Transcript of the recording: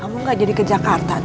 kamu gak jadi ke jakarta